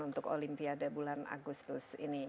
untuk olimpiade bulan agustus ini